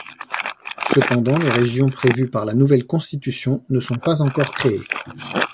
Cependant, les régions prévues par la nouvelle constitution ne sont pas encore créées.